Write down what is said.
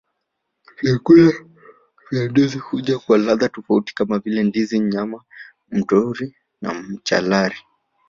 Vyakula vya ndizi huja kwa ladha tofauti kama vile ndizi nyama mtori na machalari